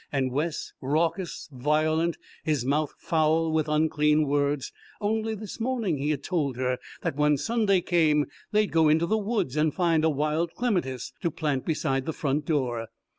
And Wes, raucous, violent, his mouth foul with unclean words only this morning he had told her that when Sunday came they'd go into the woods and find a wild clematis to plant beside the front door.